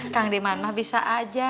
kang diman mah bisa aja